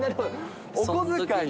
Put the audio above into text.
お小遣い。